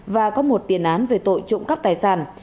và có một tiền án về tội trụng cấp tài sản